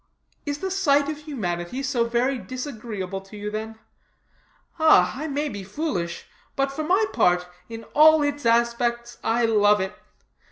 "Is the sight of humanity so very disagreeable to you then? Ah, I may be foolish, but for my part, in all its aspects, I love it.